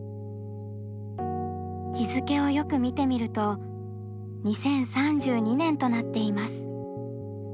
日付をよく見てみると２０３２年となっています。